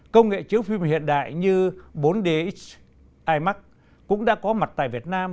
công nghệ chiếu phim hiện đại như bốn d imac cũng đã có mặt tại việt nam